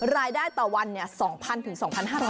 รายได้ต่อวัน๒๐๐๐ถึง๒๕๐๐บาท